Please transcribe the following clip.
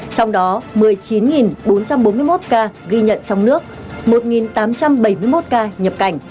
trong đó một mươi chín bốn trăm bốn mươi một ca ghi nhận trong nước một tám trăm bảy mươi một ca nhập cảnh